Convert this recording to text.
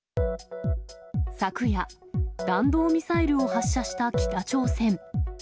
昨夜、弾道ミサイルを発射した北朝鮮。